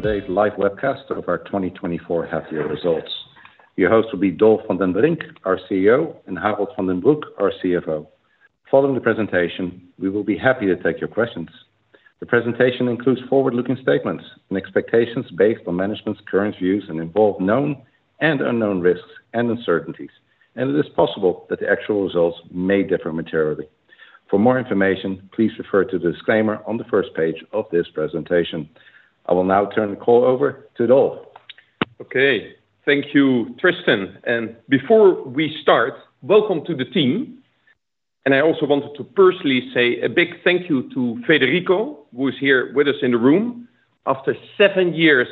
As today's live webcast of our 2024 half-year results, your hosts will be Dolf van den Brink, our CEO, and Harold van den Broek, our CFO. Following the presentation, we will be happy to take your questions. The presentation includes forward-looking statements and expectations based on management's current views and involve known and unknown risks and uncertainties, and it is possible that the actual results may differ materially. For more information, please refer to the disclaimer on the first page of this presentation. I will now turn the call over to Dolf. Okay, thank you, Tristan. And before we start, welcome to the team. And I also wanted to personally say a big thank you to Federico, who is here with us in the room. After seven years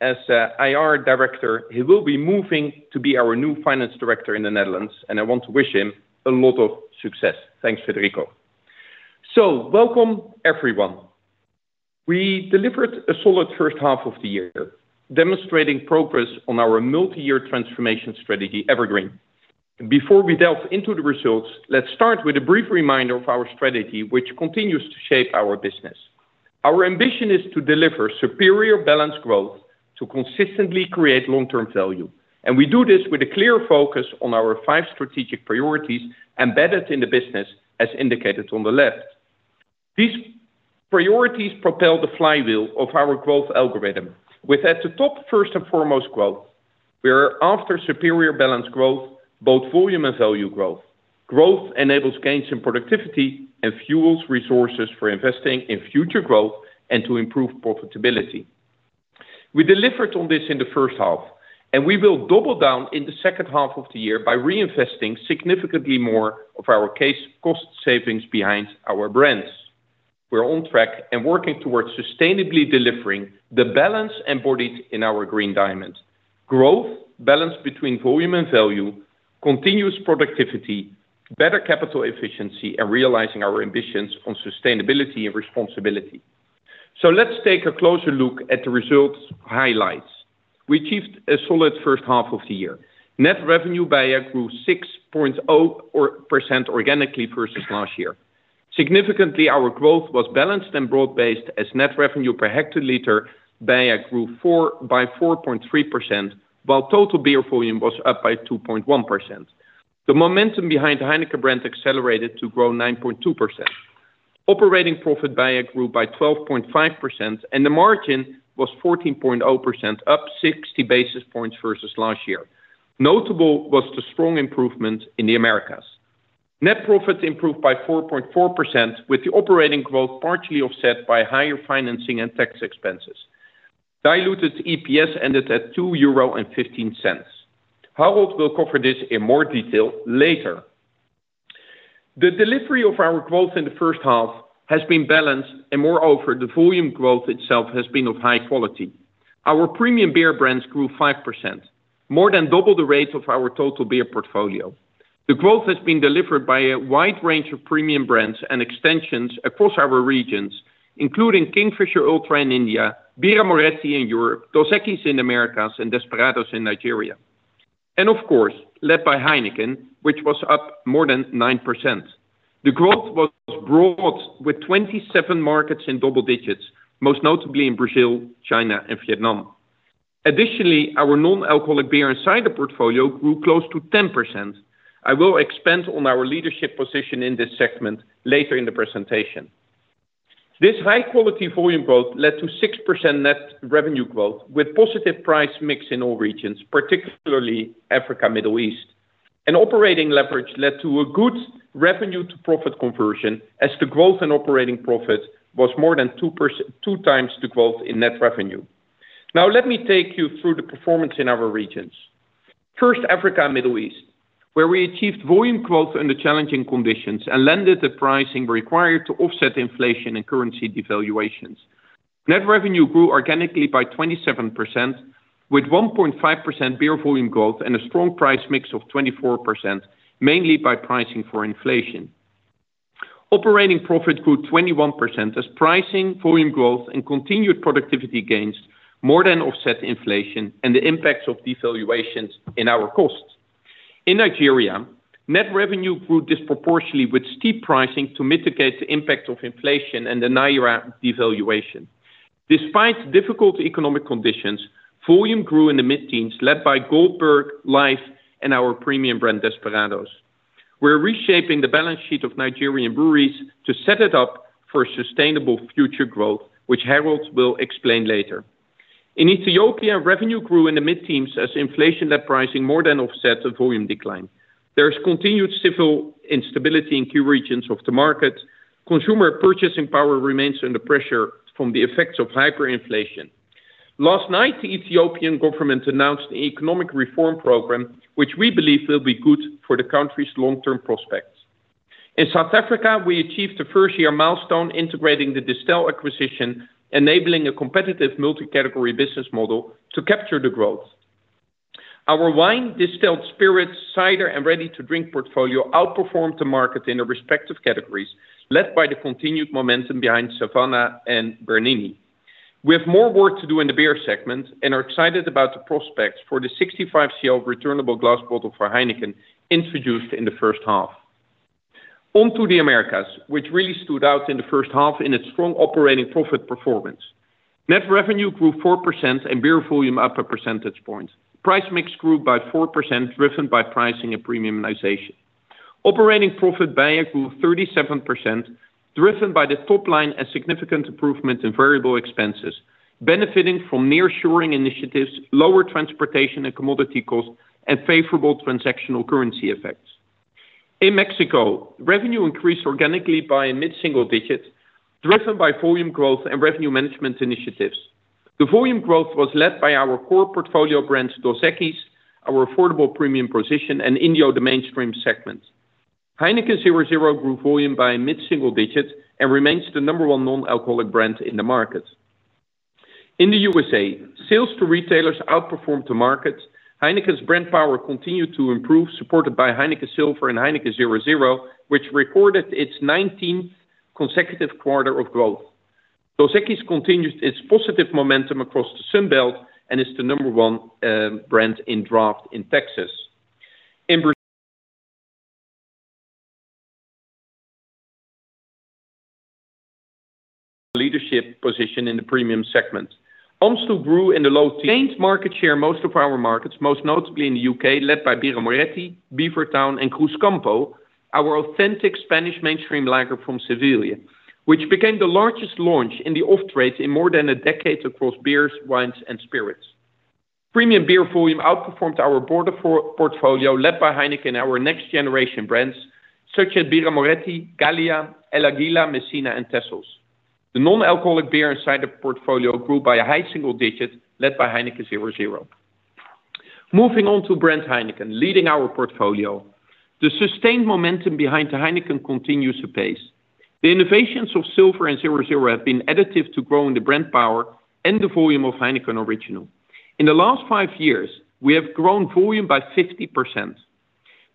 as an IR director, he will be moving to be our new finance director in the Netherlands, and I want to wish him a lot of success. Thanks, Federico. So, welcome, everyone. We delivered a solid first half of the year, demonstrating progress on our multi-year transformation strategy, EverGreen. Before we delve into the results, let's start with a brief reminder of our strategy, which continues to shape our business. Our ambition is to deliver superior balanced growth to consistently create long-term value. And we do this with a clear focus on our five strategic priorities embedded in the business, as indicated on the left. These priorities propel the flywheel of our growth algorithm. We set the top first and foremost growth. We are after superior balanced growth, both volume and value growth. Growth enables gains in productivity and fuels resources for investing in future growth and to improve profitability. We delivered on this in the first half, and we will double down in the second half of the year by reinvesting significantly more of our cost savings behind our brands. We're on track and working towards sustainably delivering the balance embodied in our Green Diamond: growth, balance between volume and value, continuous productivity, better capital efficiency, and realizing our ambitions on sustainability and responsibility. So let's take a closer look at the results highlights. We achieved a solid first half of the year. Net revenue BEIA grew 6.0% organically versus last year. Significantly, our growth was balanced and broad-based, as net revenue per hectoliter BEIA grew by 4.3%, while total beer volume was up by 2.1%. The momentum behind Heineken brand accelerated to grow 9.2%. Operating profit BEIA grew by 12.5%, and the margin was 14.0%, up 60 basis points versus last year. Notable was the strong improvement in the Americas. Net profit improved by 4.4%, with the operating growth partially offset by higher financing and tax expenses. Diluted EPS ended at €2.15. Harold will cover this in more detail later. The delivery of our growth in the first half has been balanced, and moreover, the volume growth itself has been of high quality. Our premium beer brands grew 5%, more than double the rate of our total beer portfolio. The growth has been delivered BEIA wide range of premium brands and extensions across our regions, including Kingfisher Ultra in India, Birra Moretti in Europe, Dos Equis in the Americas, and Desperados in Nigeria. Of course, led by Heineken, which was up more than 9%. The growth was broad, with 27 markets in double digits, most notably in Brazil, China, and Vietnam. Additionally, our non-alcoholic beer and cider portfolio grew close to 10%. I will expand on our leadership position in this segment later in the presentation. This high-quality volume growth led to 6% net revenue growth, with positive price mix in all regions, particularly Africa and the Middle East. Operating leverage led to a good revenue-to-profit conversion, as the growth in operating profit was more than two times the growth in net revenue. Now, let me take you through the performance in our regions. First, Africa and the Middle East, where we achieved volume growth under challenging conditions and landed the pricing required to offset inflation and currency devaluations. Net revenue grew organically by 27%, with 1.5% beer volume growth and a strong price mix of 24%, mainly by pricing for inflation. Operating profit grew 21%, as pricing, volume growth, and continued productivity gains more than offset inflation and the impacts of devaluations in our costs. In Nigeria, net revenue grew disproportionately with steep pricing to mitigate the impact of inflation and the Naira devaluation. Despite difficult economic conditions, volume grew in the mid-teens, led by Goldberg, Life, and our premium brand Desperados. We're reshaping the balance sheet of Nigerian Breweries to set it up for sustainable future growth, which Harold will explain later. In Ethiopia, revenue grew in the mid-teens as inflation-led pricing more than offset the volume decline. There is continued civil instability in key regions of the market. Consumer purchasing power remains under pressure from the effects of hyperinflation. Last night, the Ethiopian government announced an economic reform program, which we believe will be good for the country's long-term prospects. In South Africa, we achieved the first-year milestone integrating the Distell acquisition, enabling a competitive multi-category business model to capture the growth. Our wine, Distell, Spirits, Cider, and Ready-to-Drink portfolio outperformed the market in their respective categories, led by the continued momentum behind Savanna and Bernini. We have more work to do in the beer segment and are excited about the prospects for the 65-cent returnable glass bottle for Heineken introduced in the first half. On to the Americas, which really stood out in the first half in its strong operating profit performance. Net revenue grew 4% and beer volume up a percentage point. Price mix grew by 4%, driven by pricing and premiumization. Operating profit beia grew 37%, driven by the top line and significant improvement in variable expenses, benefiting from near-shoring initiatives, lower transportation and commodity costs, and favorable transactional currency effects. In Mexico, revenue increased organically by a mid-single digit, driven by volume growth and revenue management initiatives. The volume growth was led by our core portfolio brands, Dos Equis, our affordable premium position, and Indio, the mainstream segment. Heineken 0.0 grew volume by a mid-single digit and remains the number one non-alcoholic brand in the market. In the USA, sales to retailers outperformed the market. Heineken's brand power continued to improve, supported by Heineken Silver and Heineken 0.0, which recorded its 19th consecutive quarter of growth. Dos Equis continued its positive momentum across the Sun Belt and is the number one brand in draft in Texas. In. Leadership position in the premium segment. Amstel grew in the low, gained market share in most of our markets, most notably in the UK, led by Birra Moretti, Beavertown, and Cruzcampo, our authentic Spanish mainstream lager from Seville, which became the largest launch in the off-trade in more than a decade across beers, wines, and spirits. Premium beer volume outperformed our broader portfolio, led by Heineken and our next-generation brands such as Birra Moretti, Gallia, El Águila, Messina, and Texels. The non-alcoholic beer and cider portfolio grew by a high single digit, led by Heineken 0.0. Moving on to brand Heineken, leading our portfolio. The sustained momentum behind Heineken continues apace. The innovations of Silver and Zero Zero have been additive to growing the brand power and the volume of Heineken Original. In the last five years, we have grown volume by 50%.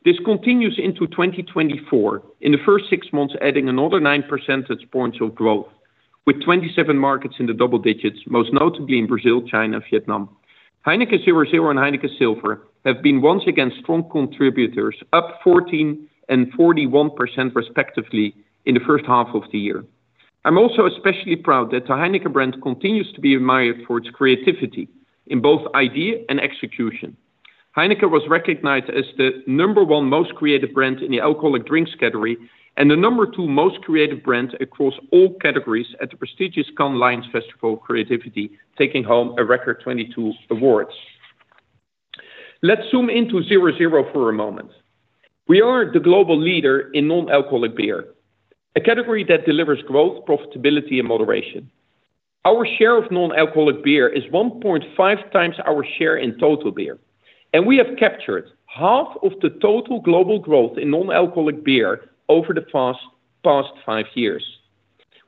This continues into 2024, in the first six months adding another 9 percentage points of growth, with 27 markets in the double digits, most notably in Brazil, China, and Vietnam. Heineken 0.0 and Heineken Silver have been once again strong contributors, up 14% and 41% respectively in the first half of the year. I'm also especially proud that the Heineken brand continues to be admired for its creativity in both idea and execution. Heineken was recognized as the number one most creative brand in the alcoholic drinks category and the number two most creative brand across all categories at the prestigious Cannes Lions Festival of Creativity, taking home a record 22 awards. Let's zoom into Zero Zero for a moment. We are the global leader in non-alcoholic beer, a category that delivers growth, profitability, and moderation. Our share of non-alcoholic beer is 1.5 times our share in total beer, and we have captured half of the total global growth in non-alcoholic beer over the past five years.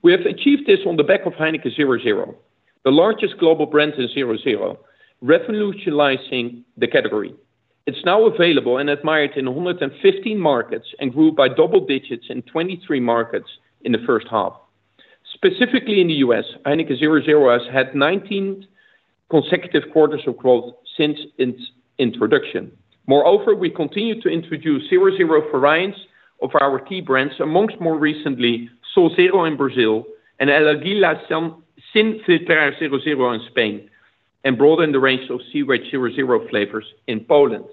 We have achieved this on the back of Heineken 0.0, the largest global brand in Zero Zero, revolutionizing the category. It's now available and admired in 115 markets and grew by double digits in 23 markets in the first half. Specifically in the U.S., Heineken 0.0 has had 19 consecutive quarters of growth since its introduction. Moreover, we continue to introduce Zero Zero variants of our key brands, among more recently Schin 0.0 in Brazil and El Águila Sin Filtrar 0.0 in Spain, and broaden the range of Żywiec 0.0 flavors in Poland.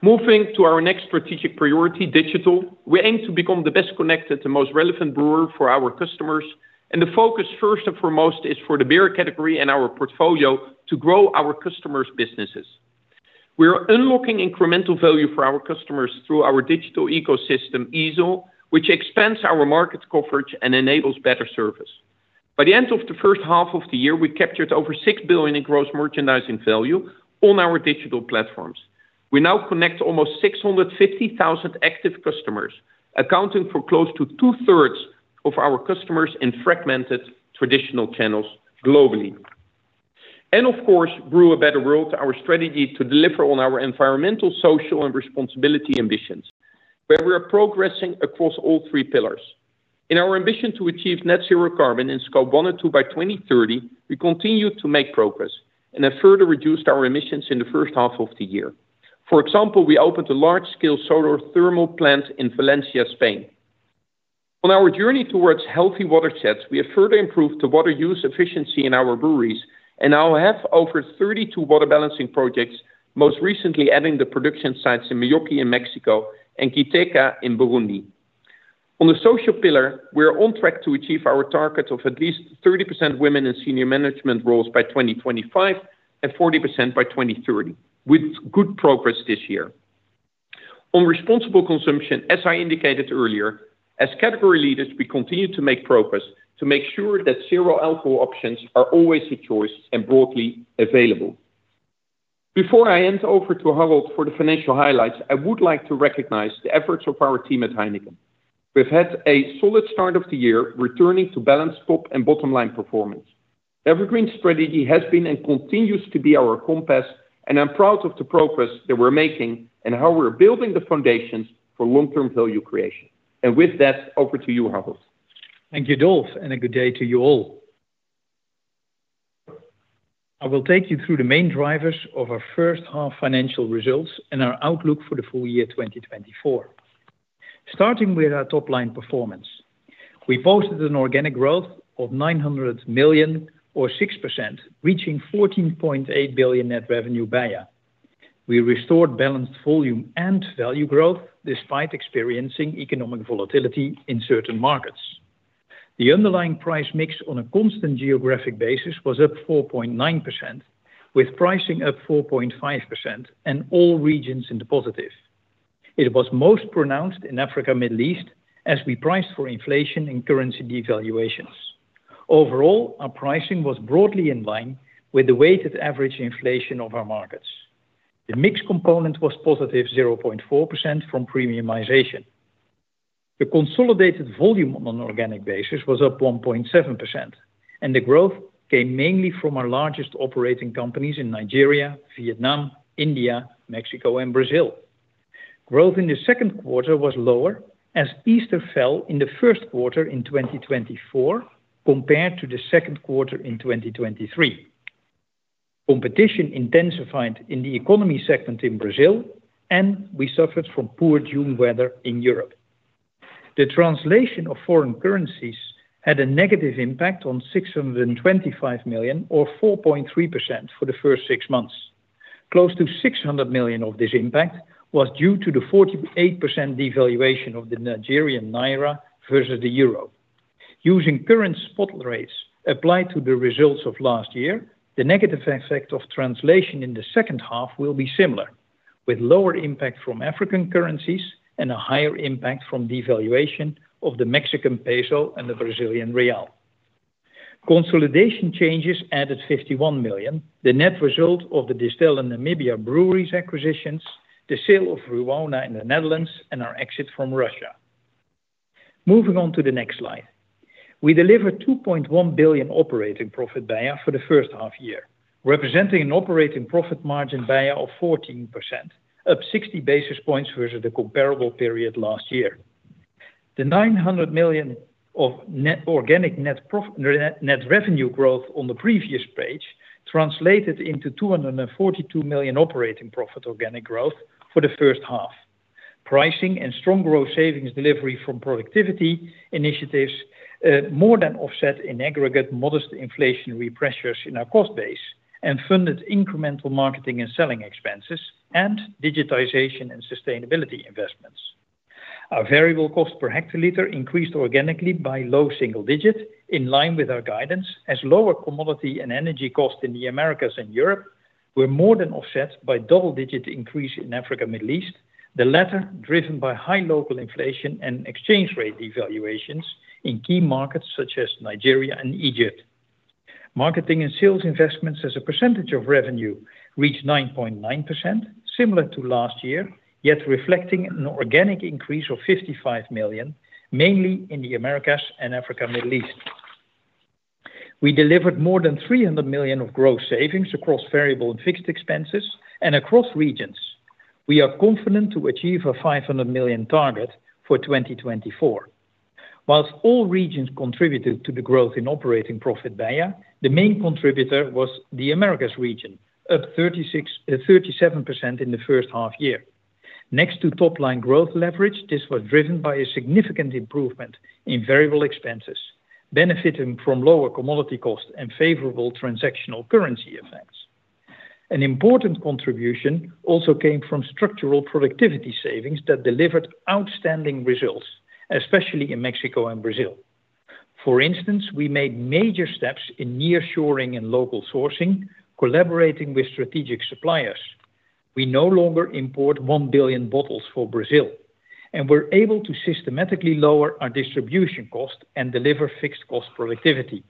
Moving to our next strategic priority, digital, we aim to become the best-connected, the most relevant brewer for our customers, and the focus first and foremost is for the beer category and our portfolio to grow our customers' businesses. We are unlocking incremental value for our customers through our digital ecosystem, eazle, which expands our market coverage and enables better service. By the end of the first half of the year, we captured over 6 billion in gross merchandising value on our digital platforms. We now connect almost 650,000 active customers, accounting for close to two-thirds of our customers in fragmented traditional channels globally. And of course, we grew a better world to our strategy to deliver on our environmental, social, and responsibility ambitions, where we are progressing across all three pillars. In our ambition to achieve net zero carbon in Scope 1 and 2 by 2030, we continue to make progress and have further reduced our emissions in the first half of the year. For example, we opened a large-scale solar thermal plant in Valencia, Spain. On our journey towards healthy watersheds, we have further improved the water use efficiency in our breweries and now have over 32 water balancing projects, most recently adding the production sites in Meoqui in Mexico and Gitega in Burundi. On the social pillar, we are on track to achieve our target of at least 30% women in senior management roles by 2025 and 40% by 2030, with good progress this year. On responsible consumption, as I indicated earlier, as category leaders, we continue to make progress to make sure that zero alcohol options are always a choice and broadly available. Before I hand over to Harold for the financial highlights, I would like to recognize the efforts of our team at Heineken. We've had a solid start of the year, returning to balanced top and bottom line performance. EverGreen strategy has been and continues to be our compass, and I'm proud of the progress that we're making and how we're building the foundations for long-term value creation. With that, over to you, Harold. Thank you, Dolf, and a good day to you all. I will take you through the main drivers of our first half financial results and our outlook for the full year 2024. Starting with our top line performance, we posted an organic growth of 900 million, or 6%, reaching 14.8 billion net revenue BEIA. We restored balanced volume and value growth despite experiencing economic volatility in certain markets. The underlying price mix on a constant geographic basis was up 4.9%, with pricing up 4.5% and all regions in the positive. It was most pronounced in Africa and the Middle East as we priced for inflation and currency devaluations. Overall, our pricing was broadly in line with the weighted average inflation of our markets. The mixed component was positive 0.4% from premiumization. The consolidated volume on an organic basis was up 1.7%, and the growth came mainly from our largest operating companies in Nigeria, Vietnam, India, Mexico, and Brazil. Growth in the second quarter was lower as Easter fell in the first quarter in 2024 compared to the second quarter in 2023. Competition intensified in the economy segment in Brazil, and we suffered from poor June weather in Europe. The translation of foreign currencies had a negative impact on 625 million, or 4.3%, for the first six months. Close to 600 million of this impact was due to the 48% devaluation of the Nigerian Naira versus the Euro. Using current spot rates applied to the results of last year, the negative effect of translation in the second half will be similar, with lower impact from African currencies and a higher impact from devaluation of the Mexican peso and the Brazilian real. Consolidation changes added 51 million, the net result of the Distell and Namibia Breweries acquisitions, the sale of Vrumona in the Netherlands, and our exit from Russia. Moving on to the next slide, we delivered 2.1 billion operating profit BEIA for the first half year, representing an operating profit margin by a of 14%, up 60 basis points versus the comparable period last year. The 900 million of net organic net profit net revenue growth on the previous page translated into 242 million operating profit organic growth for the first half. Pricing and strong growth savings delivery from productivity initiatives more than offset in aggregate modest inflationary pressures in our cost base and funded incremental marketing and selling expenses and digitization and sustainability investments. Our variable cost per hectoliter increased organically by low single-digit in line with our guidance as lower commodity and energy costs in the Americas and Europe were more than offset by double-digit increase in Africa and the Middle East, the latter driven by high local inflation and exchange rate devaluations in key markets such as Nigeria and Egypt. Marketing and sales investments as a percentage of revenue reached 9.9%, similar to last year, yet reflecting an organic increase of 55 million, mainly in the Americas and Africa and the Middle East. We delivered more than 300 million of gross savings across variable and fixed expenses and across regions. We are confident to achieve a 500 million target for 2024. While all regions contributed to the growth in operating profit BEIA, the main contributor was the Americas region, up 36%, 37% in the first half year. Next to top line growth leverage, this was driven by a significant improvement in variable expenses, benefiting from lower commodity costs and favorable transactional currency effects. An important contribution also came from structural productivity savings that delivered outstanding results, especially in Mexico and Brazil. For instance, we made major steps in near-shoring and local sourcing, collaborating with strategic suppliers. We no longer import 1 billion bottles for Brazil, and we're able to systematically lower our distribution cost and deliver fixed cost productivity.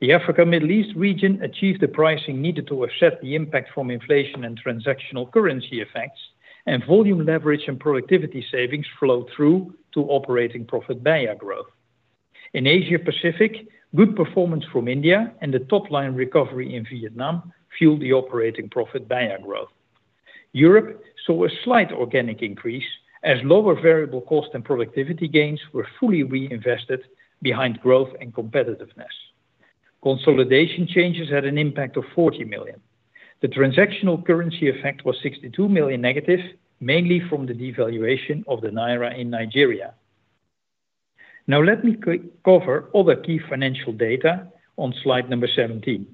The Africa and the Middle East region achieved the pricing needed to offset the impact from inflation and transactional currency effects, and volume leverage and productivity savings flowed through to operating profit BEIA growth. In Asia Pacific, good performance from India and the top line recovery in Vietnam fueled the operating profit BEIA growth. Europe saw a slight organic increase as lower variable cost and productivity gains were fully reinvested behind growth and competitiveness. Consolidation changes had an impact of 40 million. The transactional currency effect was 62 million negative, mainly from the devaluation of the naira in Nigeria. Now let me cover other key financial data on slide number 17.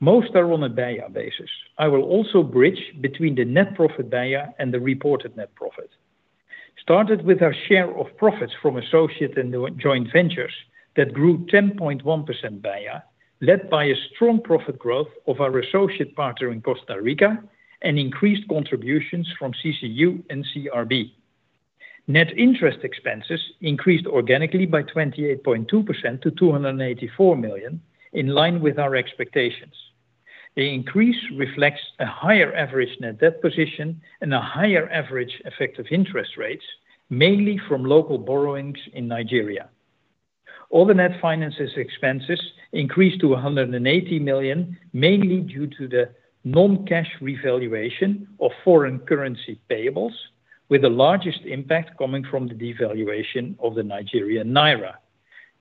Most are on a BEIA basis. I will also bridge between the net profit BEIA and the reported net profit. Started with our share of profits from associate and joint ventures that grew 10.1% by a, led by a strong profit growth of our associate partner in Costa Rica and increased contributions from CCU and CRB. Net interest expenses increased organically by 28.2% to 284 million, in line with our expectations. The increase reflects a higher average net debt position and a higher average effective interest rates, mainly from local borrowings in Nigeria. All the net finance expenses increased to 180 million, mainly due to the non-cash revaluation of foreign currency payables, with the largest impact coming from the devaluation of the Nigerian Naira.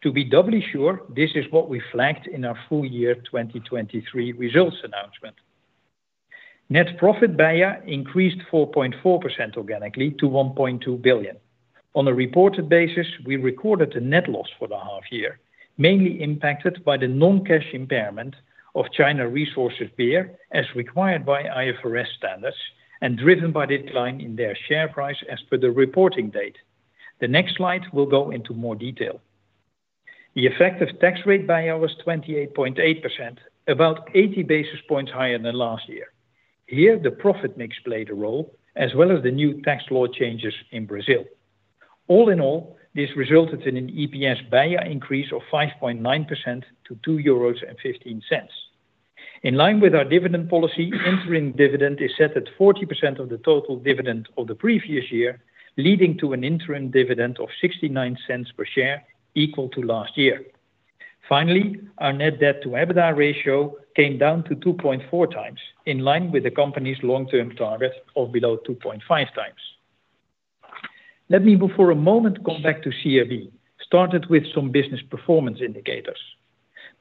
To be doubly sure, this is what we flagged in our full year 2023 results announcement.Net profit BEIA a increased 4.4% organically to 1.2 billion. On a reported basis, we recorded a net loss for the half year, mainly impacted by the non-cash impairment of China Resources Beer as required by IFRS standards and driven by decline in their share price as per the reporting date. The next slide will go into more detail. The effective tax rate BEIA was 28.8%, about 80 basis points higher than last year. Here, the profit mix played a role, as well as the new tax law changes in Brazil. All in all, this resulted in an EPS BEIA increase of 5.9% to 2.15 euros. In line with our dividend policy, interim dividend is set at 40% of the total dividend of the previous year, leading to an interim dividend of 0.69 per share, equal to last year. Finally, our net debt to EBITDA ratio came down to 2.4x, in line with the company's long-term target of below 2.5x. Let me take a moment to come back to CRB, starting with some business performance indicators.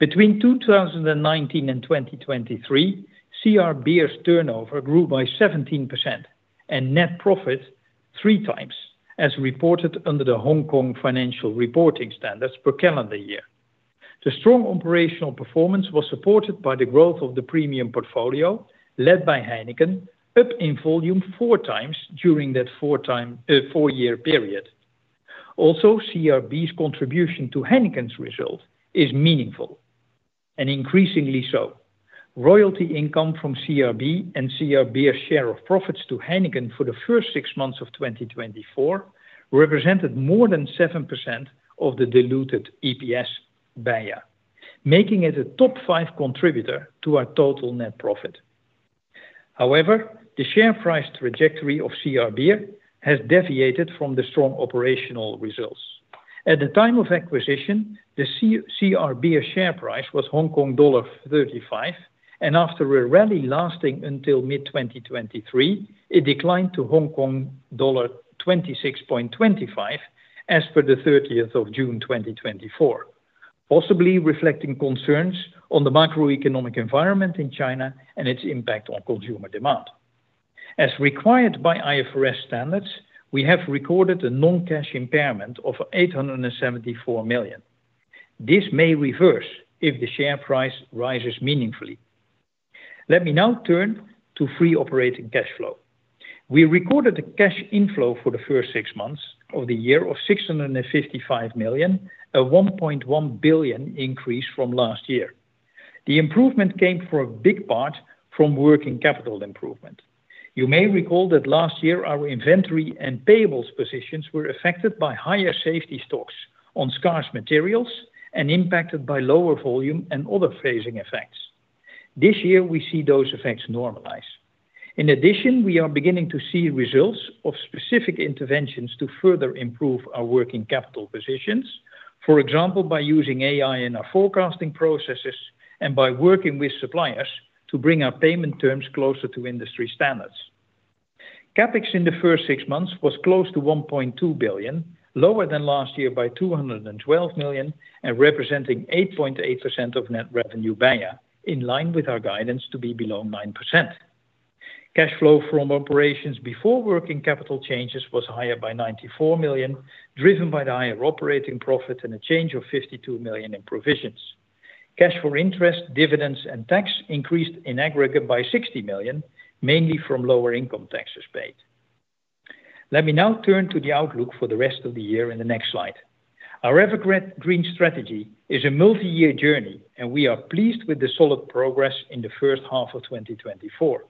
Between 2019 and 2023, CRB's turnover grew by 17% and net profit three times, as reported under the Hong Kong financial reporting standards per calendar year. The strong operational performance was supported by the growth of the premium portfolio led by Heineken, up in volume four times during that four-year period. Also, CRB's contribution to Heineken's result is meaningful, and increasingly so. Royalty income from CRB and CRB's share of profits to Heineken for the first six months of 2024 represented more than 7% of the diluted EPS BEIA, making it a top five contributor to our total net profit. However, the share price trajectory of CRB has deviated from the strong operational results. At the time of acquisition, the CRB share price was Hong Kong dollar 35, and after a rally lasting until mid-2023, it declined to Hong Kong dollar 26.25 as per the 30th of June 2024, possibly reflecting concerns on the macroeconomic environment in China and its impact on consumer demand. As required by IFRS standards, we have recorded a non-cash impairment of 874 million. This may reverse if the share price rises meaningfully. Let me now turn to free operating cash flow. We recorded the cash inflow for the first six months of the year of 655 million, a 1.1 billion increase from last year. The improvement came for a big part from working capital improvement. You may recall that last year, our inventory and payables positions were affected by higher safety stocks on scarce materials and impacted by lower volume and other phasing effects. This year, we see those effects normalize. In addition, we are beginning to see results of specific interventions to further improve our working capital positions, for example, by using AI in our forecasting processes and by working with suppliers to bring our payment terms closer to industry standards. CapEx in the first six months was close to 1.2 billion, lower than last year by 212 million and representing 8.8% of net revenue BEIA, in line with our guidance to be below 9%. Cash flow from operations before working capital changes was higher by 94 million, driven by the higher operating profit and a change of 52 million in provisions. Cash for interest, dividends, and tax increased in aggregate by 60 million, mainly from lower income taxes paid. Let me now turn to the outlook for the rest of the year in the next slide. Our EverGreen strategy is a multi-year journey, and we are pleased with the solid progress in the first half of 2024.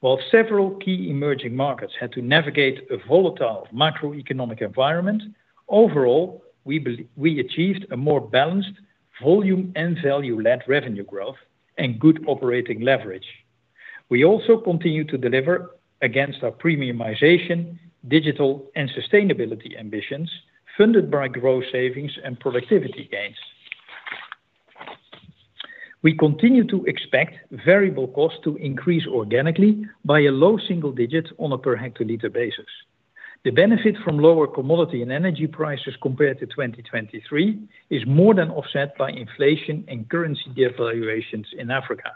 While several key emerging markets had to navigate a volatile macroeconomic environment, overall, we believe we achieved a more balanced volume and value-led revenue growth and good operating leverage. We also continue to deliver against our premiumization, digital, and sustainability ambitions funded by growth savings and productivity gains. We continue to expect variable costs to increase organically by a low single digit on a per hectoliter basis. The benefit from lower commodity and energy prices compared to 2023 is more than offset by inflation and currency devaluations in Africa.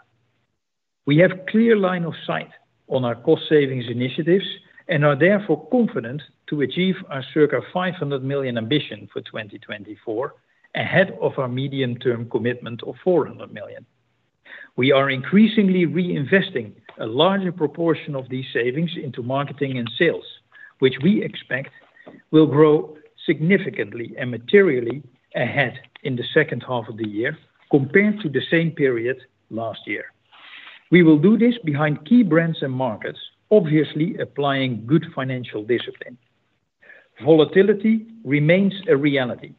We have a clear line of sight on our cost savings initiatives and are therefore confident to achieve our circa 500 million ambition for 2024 ahead of our medium-term commitment of 400 million. We are increasingly reinvesting a larger proportion of these savings into marketing and sales, which we expect will grow significantly and materially ahead in the second half of the year compared to the same period last year. We will do this behind key brands and markets, obviously applying good financial discipline. Volatility remains a reality.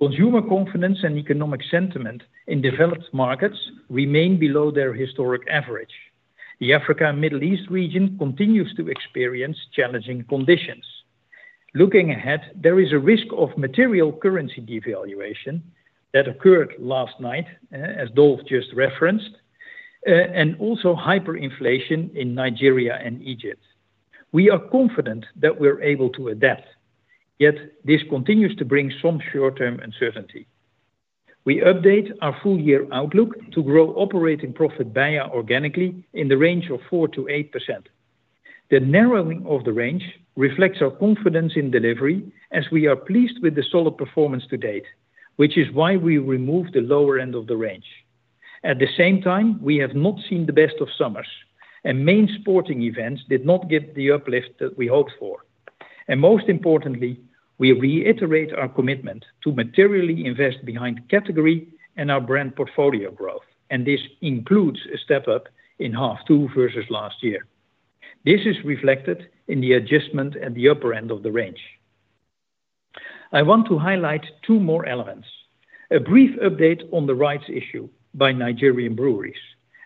Consumer confidence and economic sentiment in developed markets remain below their historic average. The Africa and Middle East region continues to experience challenging conditions. Looking ahead, there is a risk of material currency devaluation that occurred last night, as Dolf just referenced, and also hyperinflation in Nigeria and Egypt. We are confident that we're able to adapt, yet this continues to bring some short-term uncertainty. We update our full year outlook to grow operating profit organically in the range of 4%-8%. The narrowing of the range reflects our confidence in delivery as we are pleased with the solid performance to date, which is why we remove the lower end of the range. At the same time, we have not seen the best of summers, and main sporting events did not get the uplift that we hoped for. Most importantly, we reiterate our commitment to materially invest behind category and our brand portfolio growth, and this includes a step up in half two versus last year. This is reflected in the adjustment at the upper end of the range. I want to highlight two more elements. A brief update on the rights issue by Nigerian Breweries.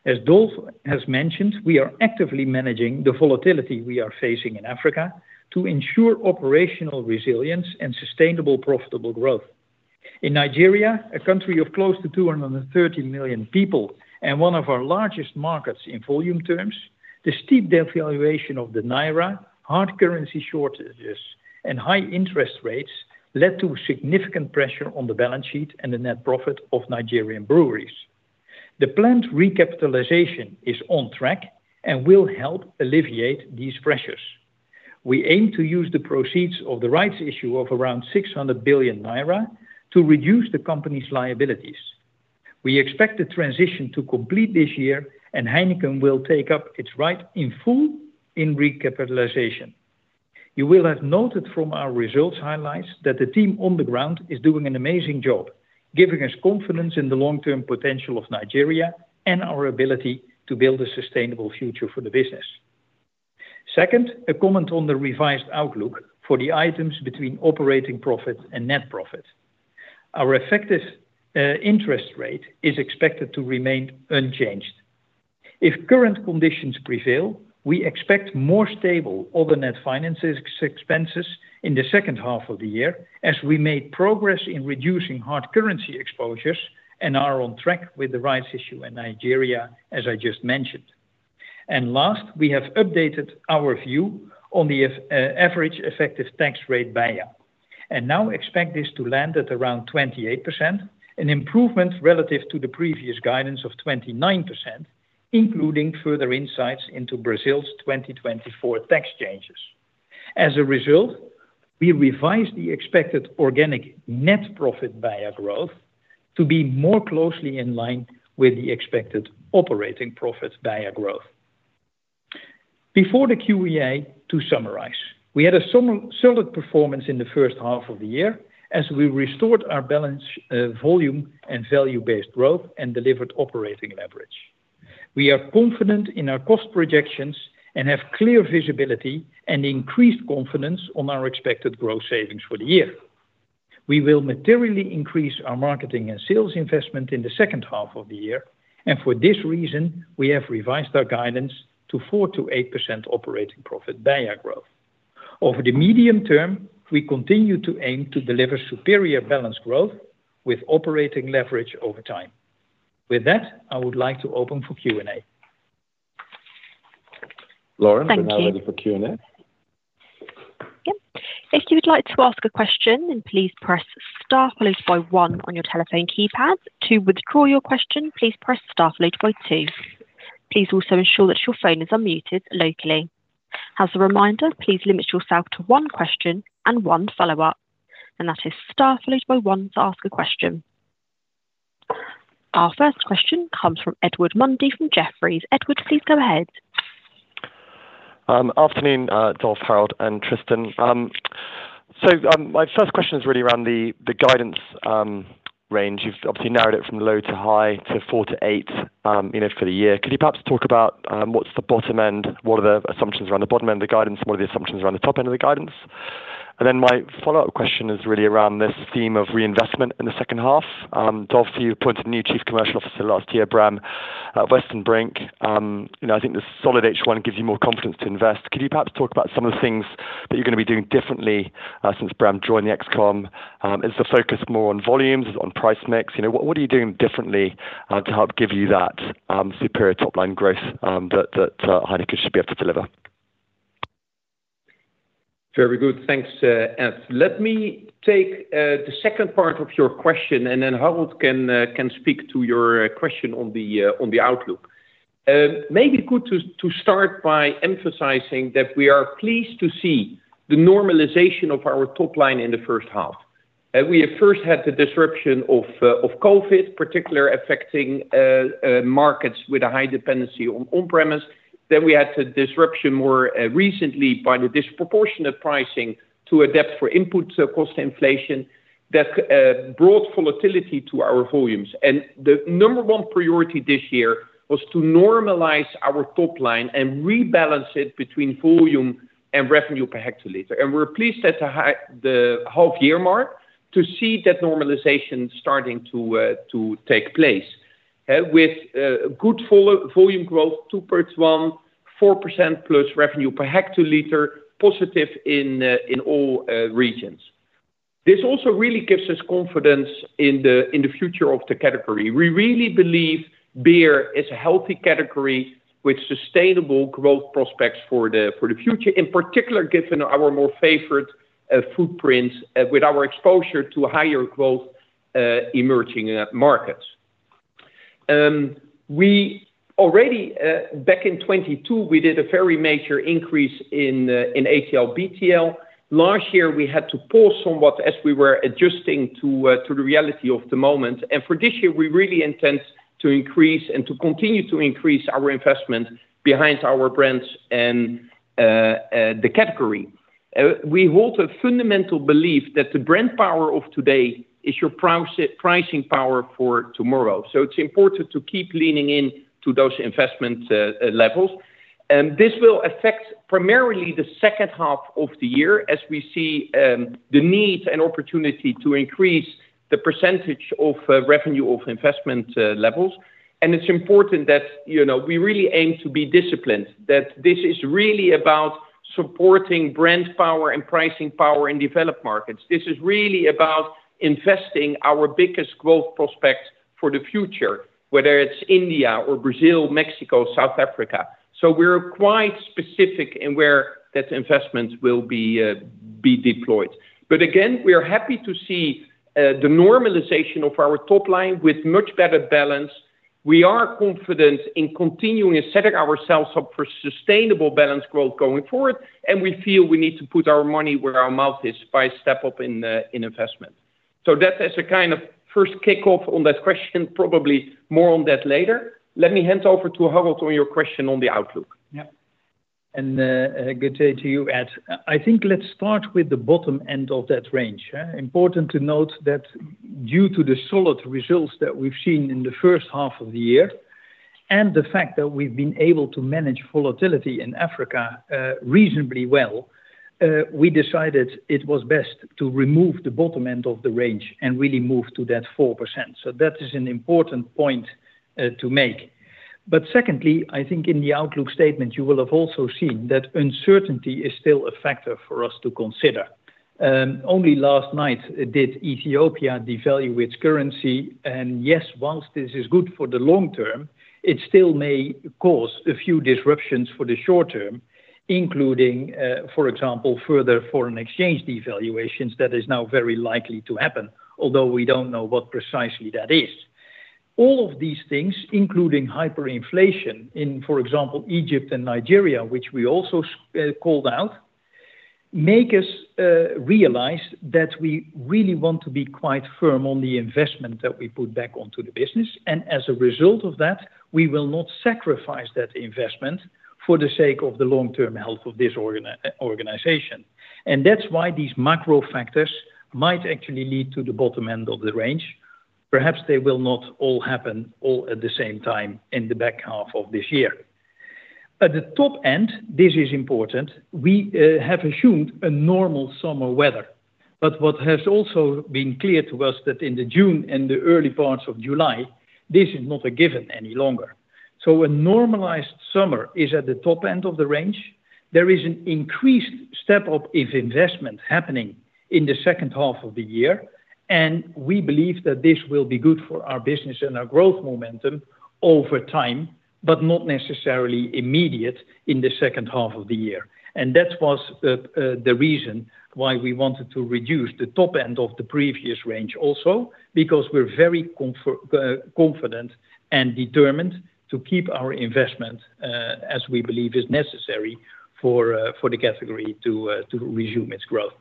As Dolf has mentioned, we are actively managing the volatility we are facing in Africa to ensure operational resilience and sustainable profitable growth. In Nigeria, a country of close to 230 million people and one of our largest markets in volume terms, the steep devaluation of the Naira, hard currency shortages, and high interest rates led to significant pressure on the balance sheet and the net profit of Nigerian Breweries. The planned recapitalization is on track and will help alleviate these pressures. We aim to use the proceeds of the rights issue of around 600 billion naira to reduce the company's liabilities. We expect the transition to complete this year, and Heineken will take up its right in full in recapitalization. You will have noted from our results highlights that the team on the ground is doing an amazing job, giving us confidence in the long-term potential of Nigeria and our ability to build a sustainable future for the business. Second, a comment on the revised outlook for the items between operating profit and net profit. Our effective interest rate is expected to remain unchanged. If current conditions prevail, we expect more stable other net finances expenses in the second half of the year as we made progress in reducing hard currency exposures and are on track with the rights issue in Nigeria, as I just mentioned. And last, we have updated our view on the average effective tax rate BEIA, and now expect this to land at around 28%, an improvement relative to the previous guidance of 29%, including further insights into Brazil's 2024 tax changes. As a result, we revise the expected organic net profit (BEIA) growth to be more closely in line with the expected operating profit (BEIA) growth. Before the Q&A, to summarize, we had a solid performance in the first half of the year as we restored our balanced volume and value-based growth and delivered operating leverage. We are confident in our cost projections and have clear visibility and increased confidence on our expected growth savings for the year. We will materially increase our marketing and sales investment in the second half of the year, and for this reason, we have revised our guidance to 4%-8% operating profit (BEIA) growth. Over the medium term, we continue to aim to deliver superior balanced growth with operating leverage over time. With that, I would like to open for Q&A. Lauren, are you ready for Q&A? Yep.If you'd like to ask a question, then please press star followed by one on your telephone keypad. To withdraw your question, please press star followed by two. Please also ensure that your phone is unmuted locally. As a reminder, please limit yourself to one question and one follow-up, and that is star followed by one to ask a question. Our first question comes from Edward Mundy from Jefferies. Edward, please go ahead. Afternoon, Dolf, Harold, and Tristan. So my first question is really around the guidance range. You've obviously narrowed it from low to high to 4 to 8 for the year. Could you perhaps talk about what's the bottom end? What are the assumptions around the bottom end of the guidance? What are the assumptions around the top end of the guidance? And then my follow-up question is really around this theme of reinvestment in the second half. Dolf, you appointed a new Chief Commercial Officer last year, Bram Westenbrink. I think the solid H1 gives you more confidence to invest. Could you perhaps talk about some of the things that you're going to be doing differently since Bram joined the ExCom? Is the focus more on volumes? Is it on price mix? What are you doing differently to help give you that superior top-line growth that Heineken should be able to deliver? Very good. Thanks, Ed. Let me take the second part of your question, and then Harold can speak to your question on the outlook. Maybe good to start by emphasizing that we are pleased to see the normalization of our top line in the first half. We first had the disruption of COVID, particularly affecting markets with a high dependency on on-premise. Then we had the disruption more recently by the disproportionate pricing to adapt for input cost inflation that brought volatility to our volumes. And the number one priority this year was to normalize our top line and rebalance it between volume and revenue per hectoliter. And we're pleased at the half-year mark to see that normalization starting to take place with good volume growth 2.1%, 4% plus revenue per hectoliter, positive in all regions. This also really gives us confidence in the future of the category. We really believe beer is a healthy category with sustainable growth prospects for the future, in particular given our more favorite footprint with our exposure to higher growth emerging markets. Back in 2022, we did a very major increase in ATL/BTL. Last year, we had to pause somewhat as we were adjusting to the reality of the moment. For this year, we really intend to increase and to continue to increase our investment behind our brands and the category. We hold a fundamental belief that the brand power of today is your pricing power for tomorrow. It's important to keep leaning into those investment levels. This will affect primarily the second half of the year as we see the need and opportunity to increase the percentage of revenue of investment levels. It's important that we really aim to be disciplined, that this is really about supporting brand power and pricing power in developed markets. This is really about investing our biggest growth prospects for the future, whether it's India or Brazil, Mexico, South Africa. We're quite specific in where that investment will be deployed. Again, we are happy to see the normalization of our top line with much better balance. We are confident in continuing to set ourselves up for sustainable balanced growth going forward, and we feel we need to put our money where our mouth is by stepping up in investment. So that's a kind of first kickoff on that question, probably more on that later. Let me hand over to Harold on your question on the outlook. Yeah. And good day to you, Ed. I think let's start with the bottom end of that range. Important to note that due to the solid results that we've seen in the first half of the year and the fact that we've been able to manage volatility in Africa reasonably well, we decided it was best to remove the bottom end of the range and really move to that 4%. So that is an important point to make. Secondly, I think in the outlook statement, you will have also seen that uncertainty is still a factor for us to consider. Only last night did Ethiopia devalue its currency, and yes, whilst this is good for the long term, it still may cause a few disruptions for the short term, including, for example, further foreign exchange devaluations that is now very likely to happen, although we don't know what precisely that is. All of these things, including hyperinflation in, for example, Egypt and Nigeria, which we also called out, make us realize that we really want to be quite firm on the investment that we put back onto the business. And as a result of that, we will not sacrifice that investment for the sake of the long-term health of this organization. And that's why these macro factors might actually lead to the bottom end of the range. Perhaps they will not all happen all at the same time in the back half of this year. At the top end, this is important. We have assumed a normal summer weather, but what has also been clear to us that in June and the early parts of July, this is not a given any longer. So a normalized summer is at the top end of the range. There is an increased step-up of investment happening in the second half of the year, and we believe that this will be good for our business and our growth momentum over time, but not necessarily immediate in the second half of the year. That was the reason why we wanted to reduce the top end of the previous range also, because we're very confident and determined to keep our investment as we believe is necessary for the category to resume its growth.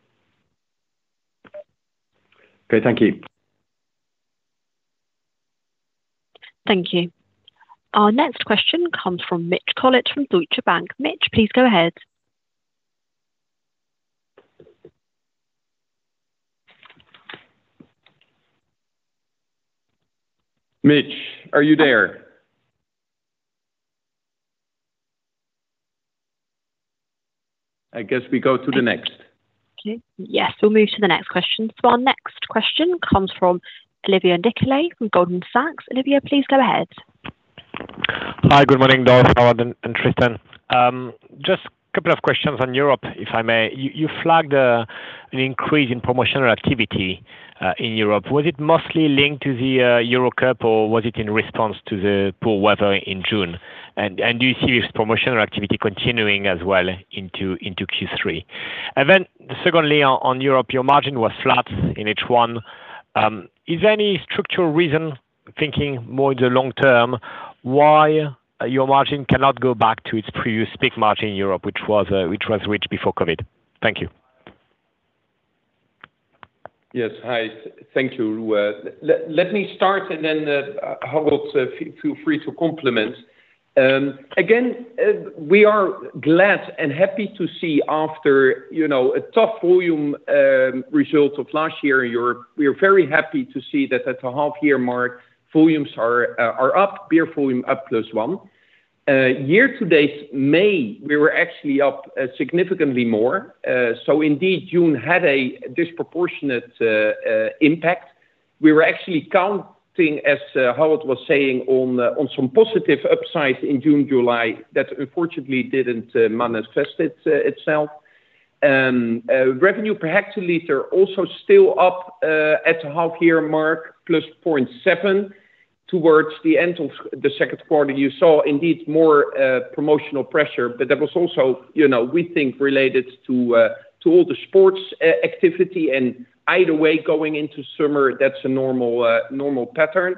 Okay, thank you. Thank you. Our next question comes from Mitch Collett from Deutsche Bank. Mitch, please go ahead. Mitch, are you there? I guess we go to the next. Okay. Yes, we'll move to the next question. Our next question comes from Olivier Nicolai from Goldman Sachs. Olivia, please go ahead. Hi, good morning, Dolf, Harold, and Tristan. Just a couple of questions on Europe, if I may. You flagged an increase in promotional activity in Europe. Was it mostly linked to the EuroCup, or was it in response to the poor weather in June? And do you see this promotional activity continuing as well into Q3? And then secondly, on Europe, your margin was flat in H1. Is there any structural reason, thinking more in the long term, why your margin cannot go back to its previous peak margin in Europe, which was reached before COVID? Thank you. Yes, hi. Thank you, Olivier. Let me start, and then Harold, feel free to complement. Again, we are glad and happy to see after a tough volume result of last year in Europe, we are very happy to see that at the half-year mark, volumes are up, beer volume up +1%. Year-to-date May, we were actually up significantly more. So indeed, June had a disproportionate impact. We were actually counting, as Harold was saying, on some positive upsides in June, July that unfortunately didn't manifest itself. Revenue per hectoliter also still up at the half-year mark +0.7% towards the end of the second quarter. You saw indeed more promotional pressure, but that was also, we think, related to all the sports activity. Either way, going into summer, that's a normal pattern.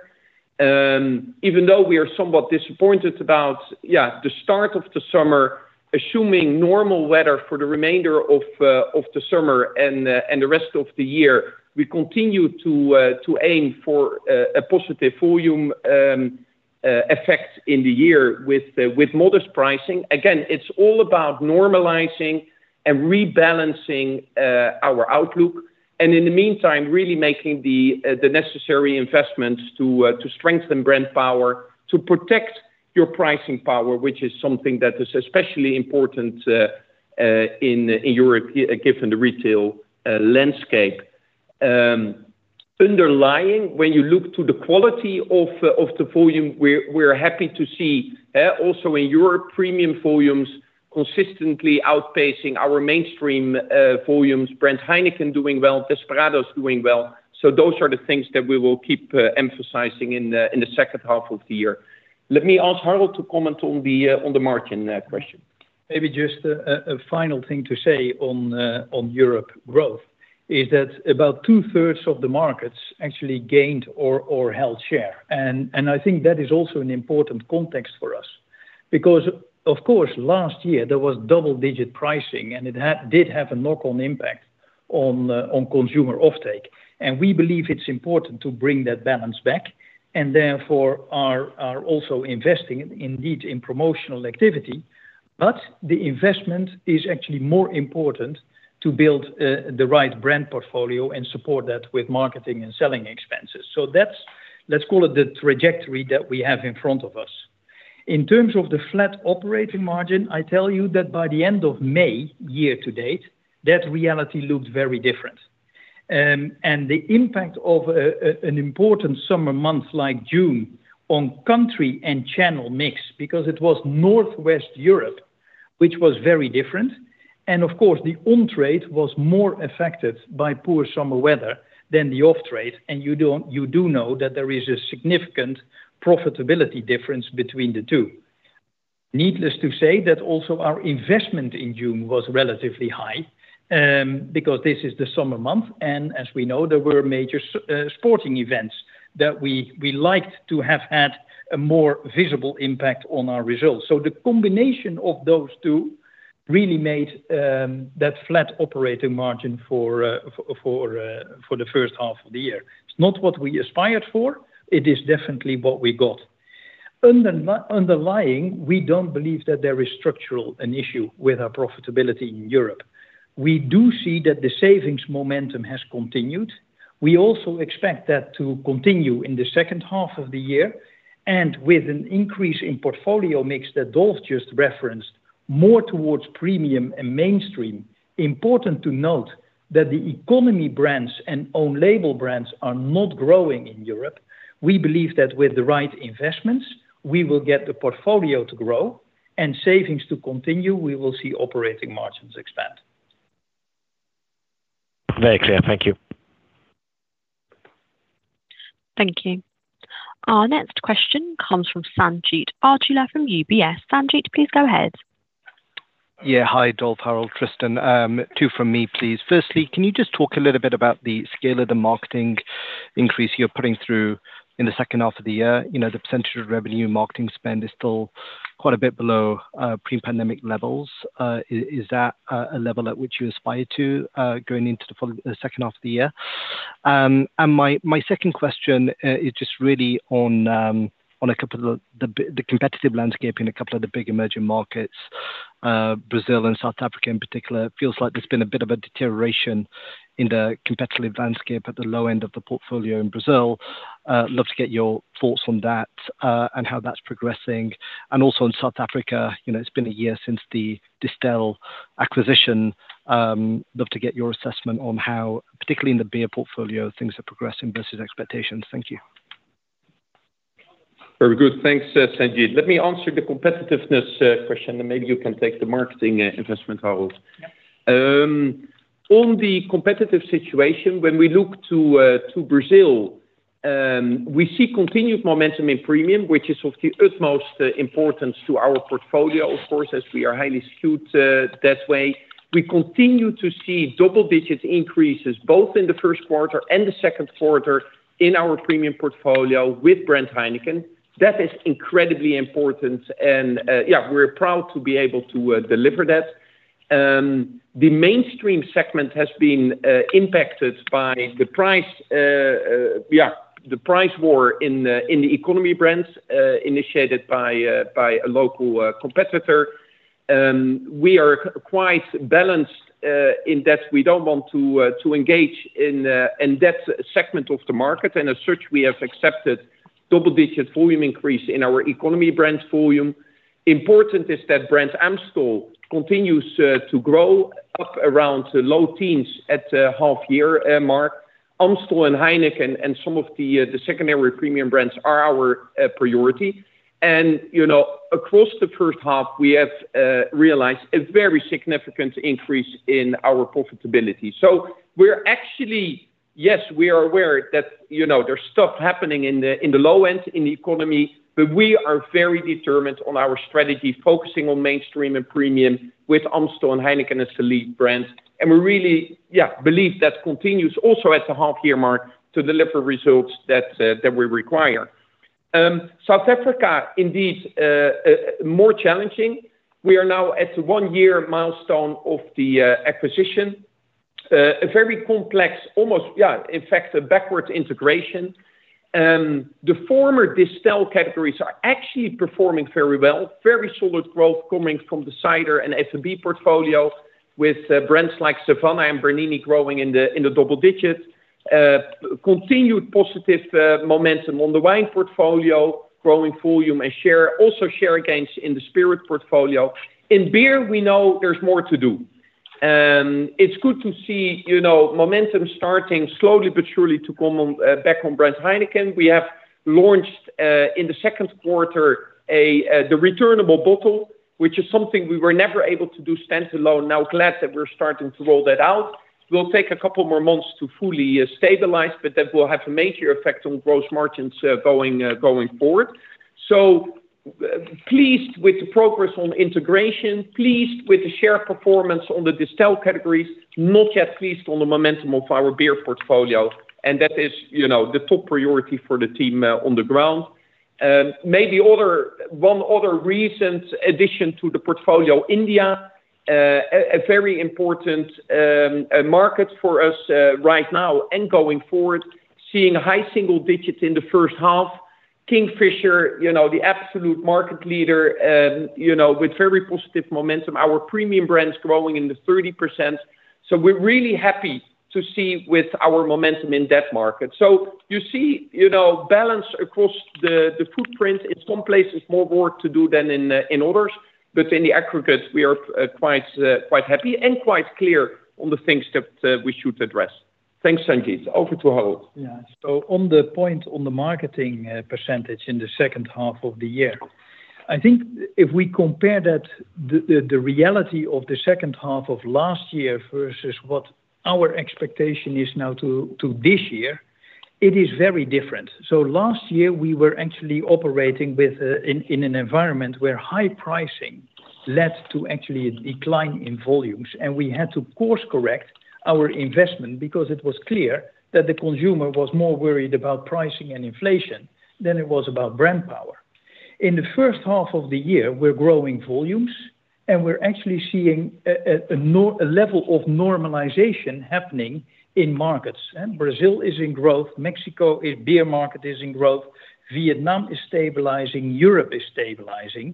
Even though we are somewhat disappointed about the start of the summer, assuming normal weather for the remainder of the summer and the rest of the year, we continue to aim for a positive volume effect in the year with modest pricing. Again, it's all about normalizing and rebalancing our outlook, and in the meantime, really making the necessary investments to strengthen brand power, to protect your pricing power, which is something that is especially important in Europe given the retail landscape. Underlying, when you look to the quality of the volume, we're happy to see also in Europe, premium volumes consistently outpacing our mainstream volumes. brand Heineken doing well, Desperados doing well. So those are the things that we will keep emphasizing in the second half of the year. Let me ask Harold to comment on the margin question. Maybe just a final thing to say on Europe growth is that about two-thirds of the markets actually gained or held share. I think that is also an important context for us because, of course, last year, there was double-digit pricing, and it did have a knock-on impact on consumer offtake. We believe it's important to bring that balance back, and therefore, are also investing indeed in promotional activity. The investment is actually more important to build the right brand portfolio and support that with marketing and selling expenses. Let's call it the trajectory that we have in front of us. In terms of the flat operating margin, I tell you that by the end of May, year-to-date, that reality looked very different. The impact of an important summer month like June on country and channel mix because it was Northwest Europe, which was very different. Of course, the on-trade was more affected by poor summer weather than the off-trade. You do know that there is a significant profitability difference between the two. Needless to say, that also our investment in June was relatively high because this is the summer month. As we know, there were major sporting events that we liked to have had a more visible impact on our results. The combination of those two really made that flat operating margin for the first half of the year. It's not what we aspired for. It is definitely what we got. Underlying, we don't believe that there is a structural issue with our profitability in Europe. We do see that the savings momentum has continued. We also expect that to continue in the second half of the year and with an increase in portfolio mix that Dolf just referenced, more towards premium and mainstream. Important to note that the economy brands and own-label brands are not growing in Europe. We believe that with the right investments, we will get the portfolio to grow and savings to continue. We will see operating margins expand. Very clear. Thank you. Thank you. Our next question comes from Sanjeet Aujla from UBS. Sanjeet, please go ahead. Yeah. Hi, Dolf, Harold, Tristan. Two from me, please. Firstly, can you just talk a little bit about the scale of the marketing increase you're putting through in the second half of the year? The percentage of revenue marketing spend is still quite a bit below pre-pandemic levels. Is that a level at which you aspire to going into the second half of the year? And my second question is just really on the competitive landscape in a couple of the big emerging markets, Brazil and South Africa in particular. It feels like there's been a bit of a deterioration in the competitive landscape at the low end of the portfolio in Brazil. Love to get your thoughts on that and how that's progressing. And also in South Africa, it's been a year since the Distell acquisition. Love to get your assessment on how, particularly in the beer portfolio, things are progressing versus expectations. Thank you. Very good. Thanks, Sanjeet. Let me answer the competitiveness question, and maybe you can take the marketing investment, Harold. On the competitive situation, when we look to Brazil, we see continued momentum in premium, which is of the utmost importance to our portfolio, of course, as we are highly skewed that way. We continue to see double-digit increases both in the first quarter and the second quarter in our premium portfolio with brand Heineken. That is incredibly important, and yeah, we're proud to be able to deliver that. The mainstream segment has been impacted by the price war in the economy brands initiated by a local competitor. We are quite balanced in that we don't want to engage in that segment of the market. And as such, we have accepted double-digit volume increase in our economy brand volume. Important is that Brand Amstel continues to grow up around low teens at the half-year mark. Amstel and Heineken and some of the secondary premium brands are our priority. Across the first half, we have realized a very significant increase in our profitability. So we're actually, yes, we are aware that there's stuff happening in the low end in the economy, but we are very determined on our strategy, focusing on mainstream and premium with Amstel and Heineken as the lead brands. We really believe that continues also at the half-year mark to deliver results that we require. South Africa, indeed, more challenging. We are now at the one-year milestone of the acquisition. A very complex, almost, yeah, in fact, a backwards integration. The former Distell categories are actually performing very well. Very solid growth coming from the cider and S&B portfolio with brands like Savanna and Bernini growing in the double-digit. Continued positive momentum on the wine portfolio, growing volume and share, also share gains in the spirit portfolio. In beer, we know there's more to do. It's good to see momentum starting slowly but surely to come back on brand Heineken. We have launched in the second quarter the returnable bottle, which is something we were never able to do standalone. Now, glad that we're starting to roll that out. We'll take a couple more months to fully stabilize, but that will have a major effect on gross margins going forward. So pleased with the progress on integration, pleased with the share performance on the Distell categories, not yet pleased on the momentum of our beer portfolio. That is the top priority for the team on the ground. Maybe one other reason, addition to the portfolio, India, a very important market for us right now and going forward, seeing high single digits in the first half. Kingfisher, the absolute market leader with very positive momentum. Our premium brands growing in the 30%. So we're really happy to see with our momentum in that market. So you see balance across the footprint. In some places, more work to do than in others, but in the aggregate, we are quite happy and quite clear on the things that we should address. Thanks, Sanjeet. Over to Harold. Yeah. So on the point on the marketing percentage in the second half of the year, I think if we compare that, the reality of the second half of last year versus what our expectation is now to this year, it is very different. So last year, we were actually operating in an environment where high pricing led to actually a decline in volumes, and we had to course-correct our investment because it was clear that the consumer was more worried about pricing and inflation than it was about brand power. In the first half of the year, we're growing volumes, and we're actually seeing a level of normalization happening in markets. Brazil is in growth. Mexico beer market is in growth. Vietnam is stabilizing. Europe is stabilizing.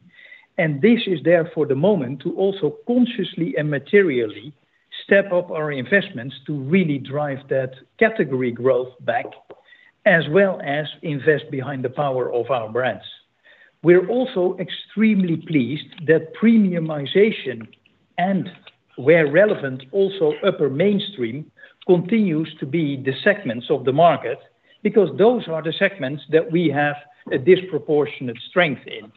And this is there for the moment to also consciously and materially step up our investments to really drive that category growth back as well as invest behind the power of our brands. We're also extremely pleased that premiumization and, where relevant, also upper mainstream continues to be the segments of the market because those are the segments that we have a disproportionate strength in.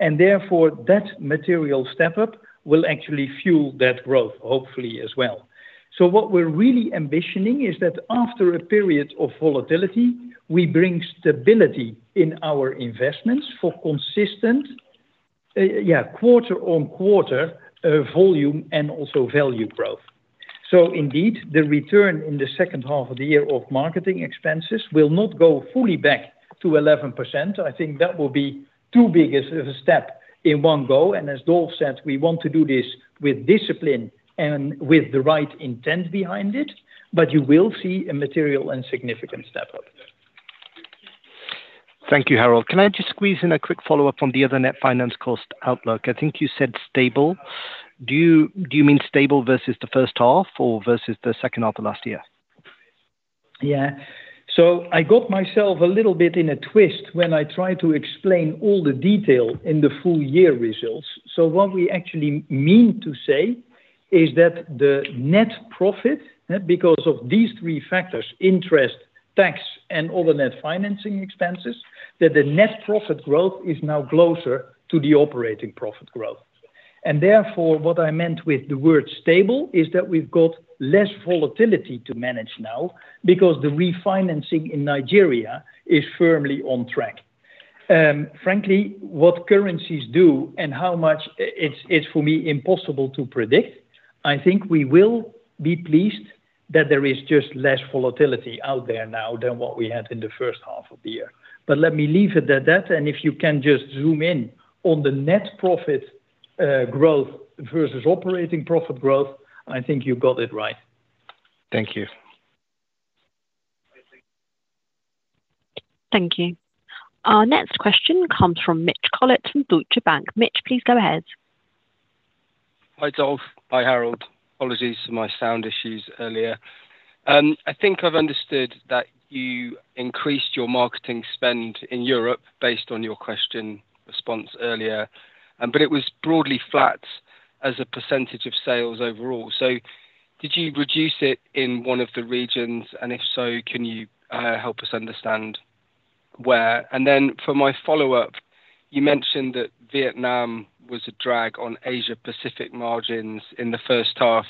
And therefore, that material step-up will actually fuel that growth, hopefully, as well. So what we're really ambitioning is that after a period of volatility, we bring stability in our investments for consistent, yeah, quarter-on-quarter volume and also value growth. So indeed, the return in the second half of the year of marketing expenses will not go fully back to 11%. I think that will be too big of a step in one go. And as Dolf said, we want to do this with discipline and with the right intent behind it, but you will see a material and significant step-up. Thank you, Harold. Can I just squeeze in a quick follow-up on the other net finance cost outlook? I think you said stable. Do you mean stable versus the first half or versus the second half of last year? Yeah. So I got myself a little bit in a twist when I tried to explain all the detail in the full year results. So what we actually mean to say is that the net profit, because of these three factors, interest, tax, and all the net financing expenses, that the net profit growth is now closer to the operating profit growth. And therefore, what I meant with the word stable is that we've got less volatility to manage now because the refinancing in Nigeria is firmly on track. Frankly, what currencies do and how much it's for me impossible to predict, I think we will be pleased that there is just less volatility out there now than what we had in the first half of the year. But let me leave it at that. And if you can just zoom in on the net profit growth versus operating profit growth, I think you got it right. Thank you. Thank you. Our next question comes from Mitch Collett from Deutsche Bank.Mitch, please go ahead. Hi, Dolf. Hi, Harold. Apologies for my sound issues earlier. I think I've understood that you increased your marketing spend in Europe based on your question response earlier, but it was broadly flat as a percentage of sales overall. So did you reduce it in one of the regions? And if so, can you help us understand where? And then for my follow-up, you mentioned that Vietnam was a drag on Asia-Pacific margins in the first half,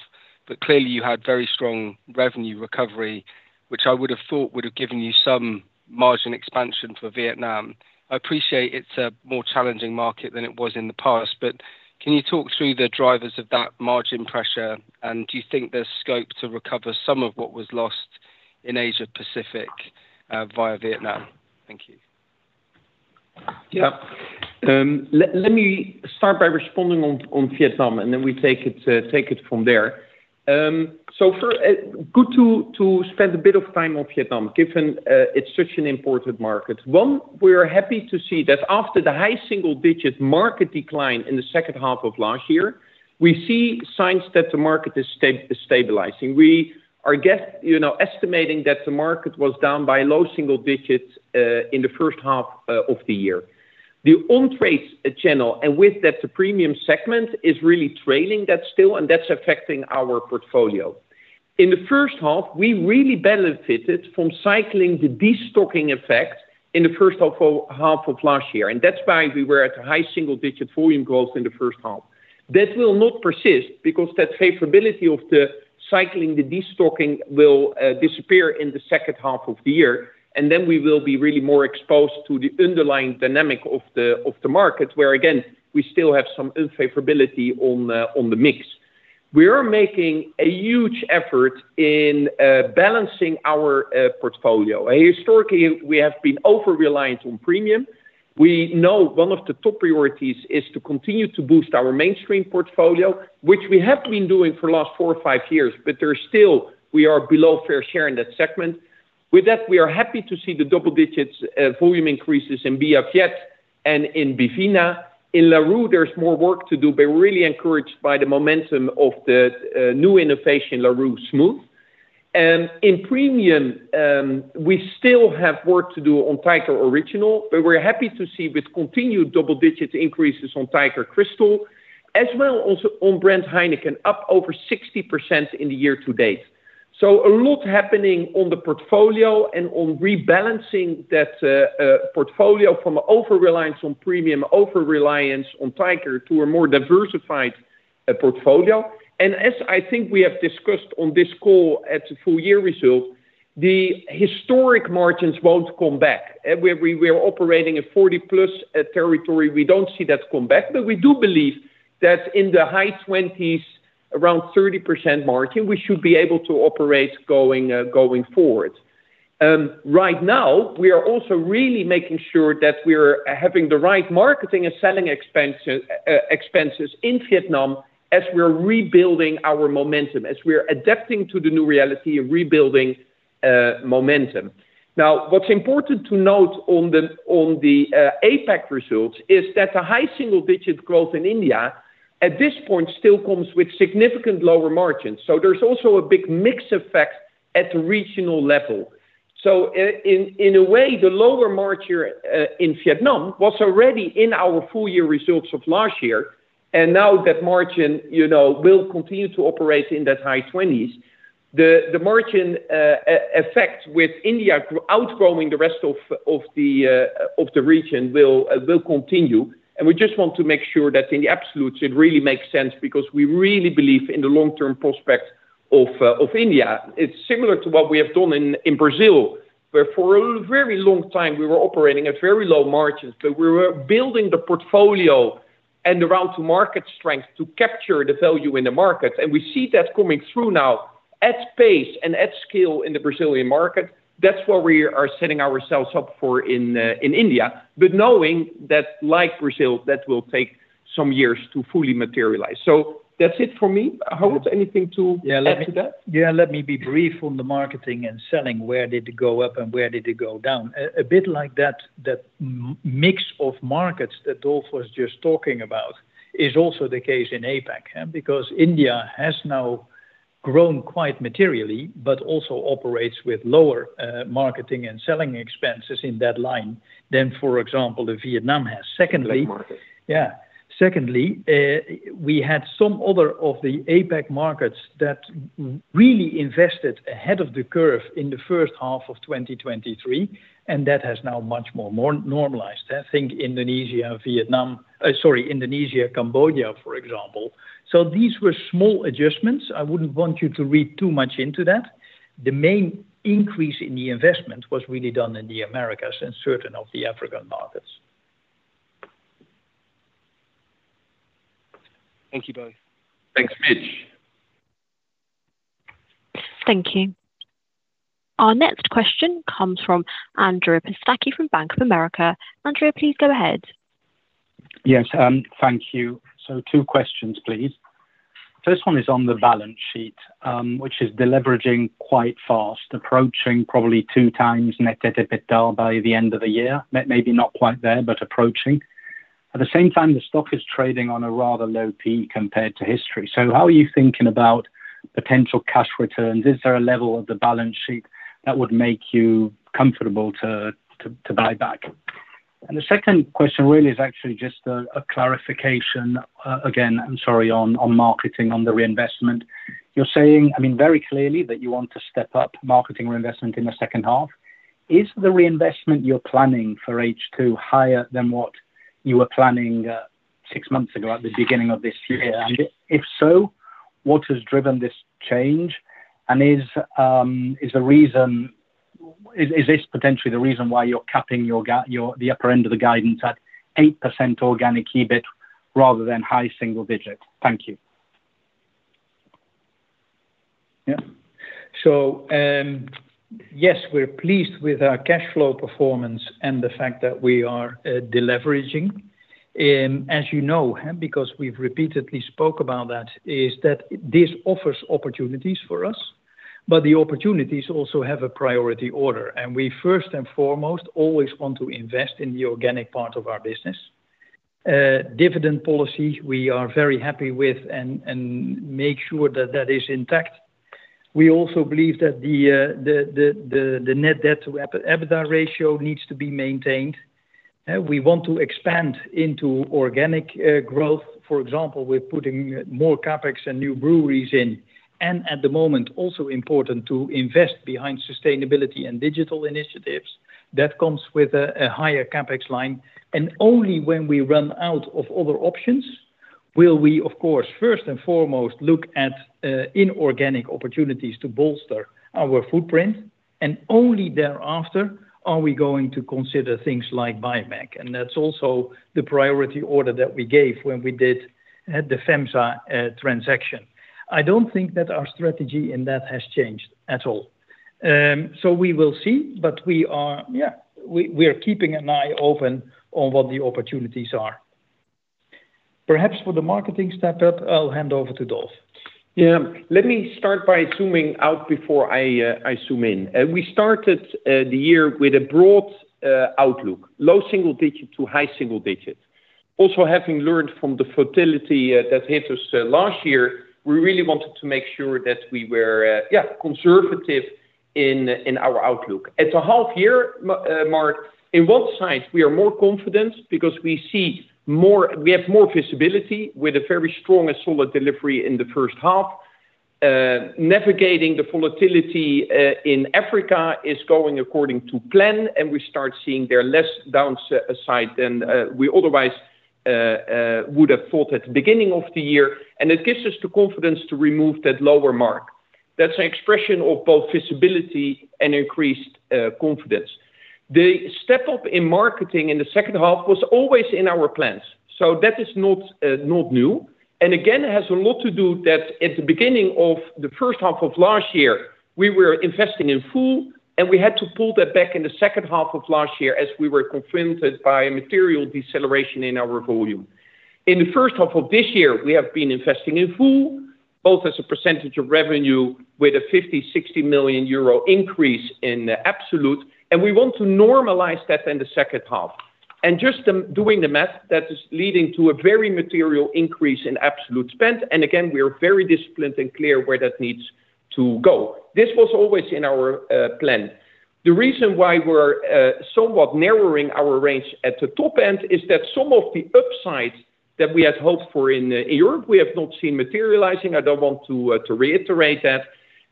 but clearly you had very strong revenue recovery, which I would have thought would have given you some margin expansion for Vietnam. I appreciate it's a more challenging market than it was in the past, but can you talk through the drivers of that margin pressure? And do you think there's scope to recover some of what was lost in Asia-Pacific via Vietnam? Thank you. Yeah.Let me start by responding on Vietnam, and then we take it from there. So good to spend a bit of time on Vietnam given it's such an important market. One, we are happy to see that after the high single-digit market decline in the second half of last year, we see signs that the market is stabilizing. We are estimating that the market was down by low single digits in the first half of the year. The on-trade channel and with that, the premium segment is really trailing that still, and that's affecting our portfolio. In the first half, we really benefited from cycling the destocking effect in the first half of last year. And that's why we were at a high single-digit volume growth in the first half. That will not persist because that favorability of the cycling, the destocking will disappear in the second half of the year. And then we will be really more exposed to the underlying dynamic of the market where, again, we still have some unfavorability on the mix. We are making a huge effort in balancing our portfolio. Historically, we have been over-reliant on premium. We know one of the top priorities is to continue to boost our mainstream portfolio, which we have been doing for the last four or five years, but still, we are below fair share in that segment. With that, we are happy to see the double-digit volume increases in Bia Viet and in Bivina. In Larue, there's more work to do, but we're really encouraged by the momentum of the new innovation, Larue Smooth. In premium, we still have work to do on Tiger Original, but we're happy to see with continued double-digit increases on Tiger Crystal, as well as on brand Heineken, up over 60% in the year to date. So a lot happening on the portfolio and on rebalancing that portfolio from over-reliance on premium, over-reliance on Tiger to a more diversified portfolio. And as I think we have discussed on this call at the full year result, the historic margins won't come back. We are operating in 40+ territory. We don't see that come back, but we do believe that in the high 20s, around 30% margin, we should be able to operate going forward. Right now, we are also really making sure that we are having the right marketing and selling expenses in Vietnam as we're rebuilding our momentum, as we're adapting to the new reality of rebuilding momentum. Now, what's important to note on the APAC results is that the high single-digit growth in India at this point still comes with significant lower margins. So there's also a big mix effect at the regional level. So in a way, the lower margin in Vietnam was already in our full year results of last year. And now that margin will continue to operate in that high 20s. The margin effect with India outgrowing the rest of the region will continue. And we just want to make sure that in the absolutes, it really makes sense because we really believe in the long-term prospect of India. It's similar to what we have done in Brazil, where for a very long time, we were operating at very low margins, but we were building the portfolio and the route-to-market strength to capture the value in the market. And we see that coming through now at pace and at scale in the Brazilian market. That's what we are setting ourselves up for in India, but knowing that, like Brazil, that will take some years to fully materialize. So that's it for me. Harold, anything to add to that? Yeah. Let me be brief on the marketing and selling. Where did it go up and where did it go down? A bit like that mix of markets that Dolf was just talking about is also the case in APAC because India has now grown quite materially, but also operates with lower marketing and selling expenses in that line than, for example, Vietnam has. Secondly. Yeah. Secondly, we had some other of the APAC markets that really invested ahead of the curve in the first half of 2023, and that has now much more normalized. I think Indonesia, Vietnam, sorry, Indonesia, Cambodia, for example. So these were small adjustments. I wouldn't want you to read too much into that. The main increase in the investment was really done in the Americas and certain of the African markets. Thank you both. Thanks, Mitch. Thank you. Our next question comes from Andrea Pistacchi from Bank of America. Andrea, please go ahead. Yes. Thank you. So two questions, please. First one is on the balance sheet, which is deleveraging quite fast, approaching probably 2 times net debt/EBITDA by the end of the year. Maybe not quite there, but approaching. At the same time, the stock is trading on a rather low P/E compared to history. So how are you thinking about potential cash returns? Is there a level of the balance sheet that would make you comfortable to buy back? The second question really is actually just a clarification, again, I'm sorry, on marketing, on the reinvestment. You're saying, I mean, very clearly that you want to step up marketing reinvestment in the second half. Is the reinvestment you're planning for H2 higher than what you were planning six months ago at the beginning of this year? And if so, what has driven this change? And is the reason is this potentially the reason why you're capping the upper end of the guidance at 8% organic EBIT rather than high single digit? Thank you. Yeah. So yes, we're pleased with our cash flow performance and the fact that we are deleveraging. As you know, because we've repeatedly spoke about that, is that this offers opportunities for us, but the opportunities also have a priority order. We first and foremost always want to invest in the organic part of our business. Dividend policy, we are very happy with and make sure that that is intact. We also believe that the net debt to EBITDA ratio needs to be maintained. We want to expand into organic growth. For example, we're putting more CapEx and new breweries in. And at the moment, also important to invest behind sustainability and digital initiatives. That comes with a higher CapEx line. And only when we run out of other options will we, of course, first and foremost, look at inorganic opportunities to bolster our footprint. And only thereafter are we going to consider things like buyback. And that's also the priority order that we gave when we did the FEMSA transaction. I don't think that our strategy in that has changed at all. So we will see, but we are, yeah, we're keeping an eye open on what the opportunities are. Perhaps for the marketing step-up, I'll hand over to Dolf. Yeah. Let me start by zooming out before I zoom in. We started the year with a broad outlook, low single digit to high single digit. Also, having learned from the inflation that hit us last year, we really wanted to make sure that we were, yeah, conservative in our outlook. At the half-year mark, on one side, we are more confident because we see more we have more visibility with a very strong and solid delivery in the first half. Navigating the volatility in Africa is going according to plan, and we start seeing there less downside than we otherwise would have thought at the beginning of the year. And it gives us the confidence to remove that lower mark. That's an expression of both visibility and increased confidence. The step-up in marketing in the second half was always in our plans. That is not new. And again, it has a lot to do that at the beginning of the first half of last year, we were investing in full, and we had to pull that back in the second half of last year as we were confronted by a material deceleration in our volume. In the first half of this year, we have been investing in full, both as a percentage of revenue with a 50-60 million euro increase in absolute. And we want to normalize that in the second half. And just doing the math, that is leading to a very material increase in absolute spend. And again, we are very disciplined and clear where that needs to go. This was always in our plan. The reason why we're somewhat narrowing our range at the top end is that some of the upside that we had hoped for in Europe, we have not seen materializing. I don't want to reiterate that.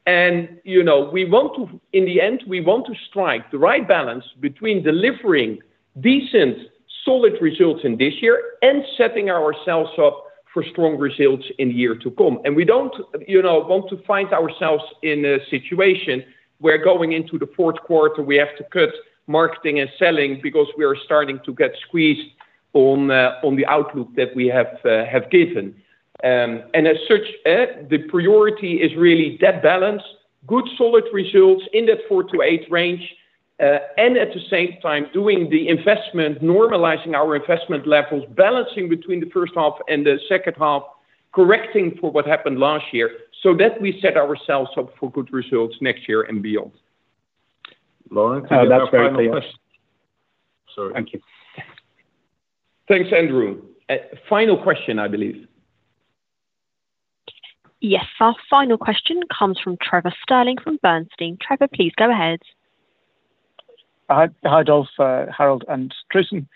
And we want to, in the end, we want to strike the right balance between delivering decent solid results in this year and setting ourselves up for strong results in the year to come. And we don't want to find ourselves in a situation where going into the fourth quarter, we have to cut marketing and selling because we are starting to get squeezed on the outlook that we have given. And as such, the priority is really that balance, good solid results in that 4-8 range, and at the same time, doing the investment, normalizing our investment levels, balancing between the first half and the second half, correcting for what happened last year so that we set ourselves up for good results next year and beyond. Lauren, do you have a final question? Sorry. Thank you. Thanks, Andrea. Final question, I believe. Yes. Our final question comes from Trevor Stirling from Bernstein. Trevor, please go ahead. Hi, Dolf, Harold, and Tristan.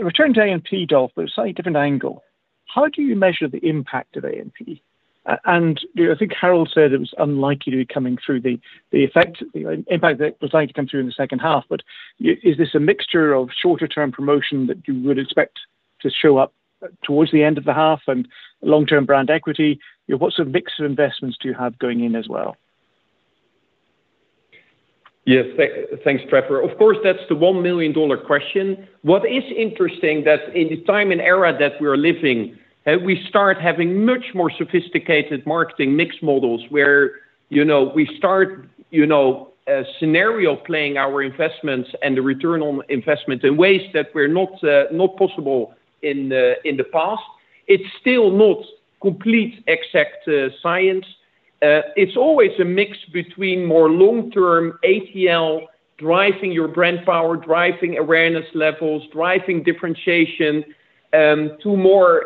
Returning to A&P, Dolf, but a slightly different angle. How do you measure the impact of A&P? And I think Harold said it was unlikely to be coming through the impact that was likely to come through in the second half. But is this a mixture of shorter-term promotion that you would expect to show up towards the end of the half and long-term brand equity? What sort of mix of investments do you have going in as well? Yes. Thanks, Trevor. Of course, that's the $1 million question. What is interesting that in the time and era that we are living, we start having much more sophisticated marketing mix models where we start scenario playing our investments and the return on investment in ways that were not possible in the past. It's still not complete exact science. It's always a mix between more long-term ATL, driving your brand power, driving awareness levels, driving differentiation, to more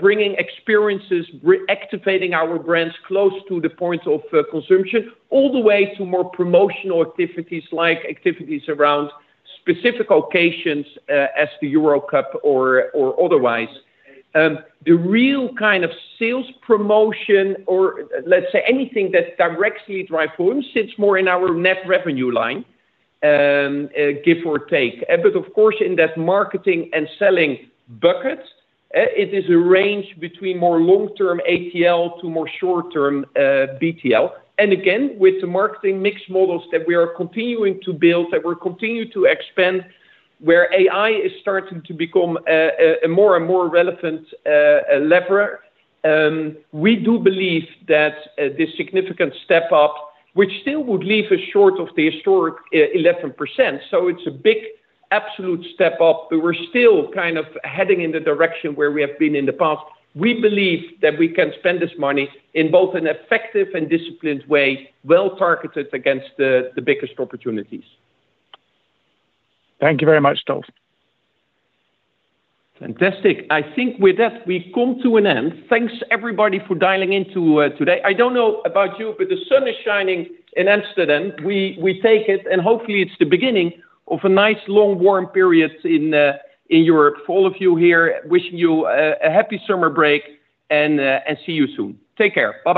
bringing experiences, activating our brands close to the point of consumption, all the way to more promotional activities like activities around specific occasions as the Euro Cup or otherwise. The real kind of sales promotion or, let's say, anything that directly drives volume sits more in our net revenue line, give or take. But of course, in that marketing and selling bucket, it is a range between more long-term ATL to more short-term BTL. And again, with the marketing mix models that we are continuing to build, that we're continuing to expand, where AI is starting to become a more and more relevant lever, we do believe that this significant step-up, which still would leave us short of the historic 11%. So it's a big absolute step-up, but we're still kind of heading in the direction where we have been in the past. We believe that we can spend this money in both an effective and disciplined way, well-targeted against the biggest opportunities. Thank you very much, Dolf. Fantastic. I think with that, we come to an end. Thanks, everybody, for dialing in today. I don't know about you, but the sun is shining in Amsterdam. We take it, and hopefully, it's the beginning of a nice long, warm period in Europe. For all of you here, wishing you a happy summer break and see you soon. Take care. Bye.